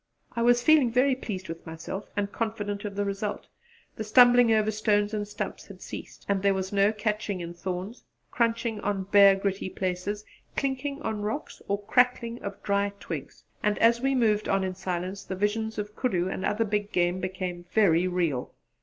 I was feeling very pleased with myself and confident of the result; the stumbling over stones and stumps had ceased; and there was no more catching in thorns, crunching on bare gritty places, clinking on rocks, or crackling of dry twigs; and as we moved on in silence the visions of koodoo and other big game became very real.